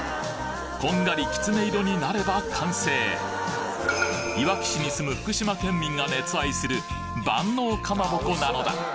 こんがりきつね色になれば完成いわき市に住む福島県民が熱愛する万能かまぼこなのだ